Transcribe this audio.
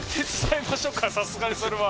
さすがにそれは。